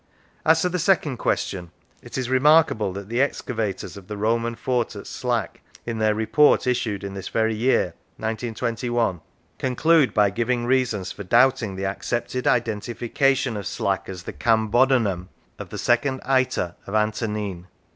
As to the second question, it is remarkable that the excavators of the Roman fort at Slack, in their report issued in this very year (1921), conclude by giving reasons for doubting the accepted identifica 49 G Lancashire tion of Slack as the Cambodunum of the second Iter of Antonine.